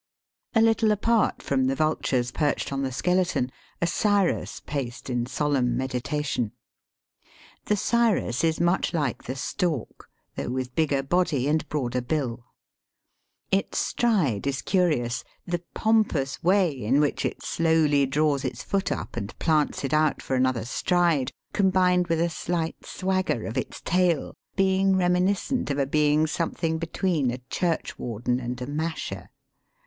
A little apart from the vultures perched on the skeleton, a sirus paced in solemn medita tion. The sirus is much like the stork, though with bigger body and broader bill. Its stride is curious, the pompous way in which it slowly draws its foot up and plants it out for another stride, combined with a slight swagger of its tail, being reminiscent of a being something between a churchwarden and a masher.